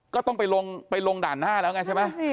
ก็ต้องไปลงด่านหน้าแล้วใช่ไหม